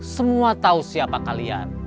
semua tahu siapa kalian